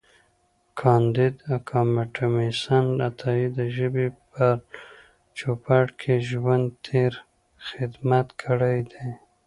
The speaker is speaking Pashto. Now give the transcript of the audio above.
کانديد اکاډميسن عطایي د ژبې په چوپړ کې ژوند تېر کړی دی.